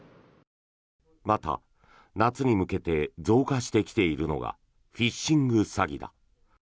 また、夏に向けて増加してきているのがフィッシング詐欺だ。